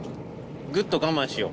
ぐっと我慢しよう。